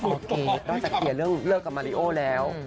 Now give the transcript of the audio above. อุ๊ยเก็ตเราจะเปลี่ยนเรื่องเลิกกับมาริโอแล้ว